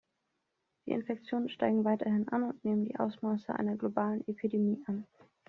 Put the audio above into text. Die Infektionen steigen weiterhin an und nehmen die Ausmaße einer globalen Epidemie an.